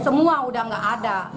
semua udah gak ada